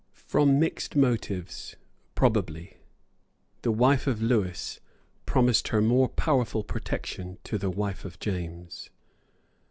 From mixed motives, probably, the wife of Lewis promised her powerful protection to the wife of James.